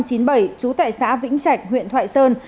trú tại xã vĩnh trạch huyện thoại sơn